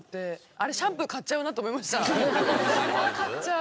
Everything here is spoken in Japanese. あれあれは買っちゃう。